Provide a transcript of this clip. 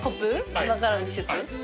今からの季節。